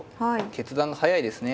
決断が速いですね。